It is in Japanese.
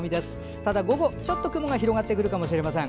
ただ午後、ちょっと雲が広がってくるかもしれません。